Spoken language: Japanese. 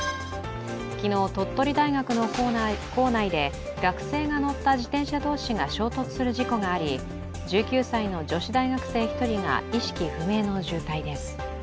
昨日、鳥取大学の構内で学生が乗った自転車同士が衝突する事故があり、１９歳の女子大学生１人が意識不明の重体です。